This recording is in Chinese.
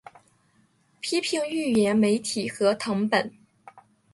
批评预言媒体和誊本